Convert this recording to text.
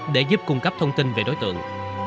để giúp cung cấp thông tin về đối tượng